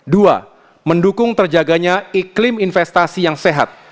dua mendukung terjaganya iklim investasi yang sehat